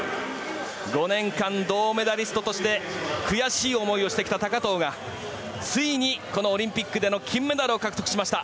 ５年間、銅メダリストとして悔しい思いをしてきた高藤がついに、このオリンピックでの金メダルを獲得しました。